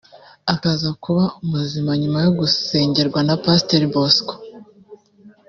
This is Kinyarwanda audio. akaza kuba muzima nyuma yo gusengerwa na Pastor Bosco